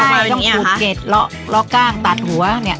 ใช่ต้องปลูกเก็ดเลาะกล้างตัดหัวเนี่ย